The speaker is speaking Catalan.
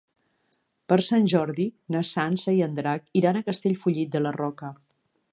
Per Sant Jordi na Sança i en Drac iran a Castellfollit de la Roca.